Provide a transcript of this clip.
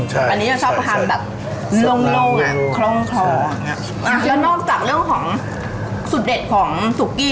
งจากไปเรื่องของสุดเด็ดของซุ๊กกี้